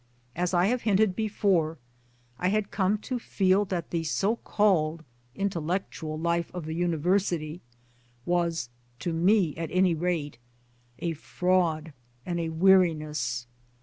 As I have hinted before I had come to feel that the so r called intellectual life of the University was (to me at any rate) a fraud and a weariness.